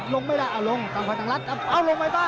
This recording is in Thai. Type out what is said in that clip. ลงไม่ได้หลงกลางคษัตริย์ทางลัดลงไป่า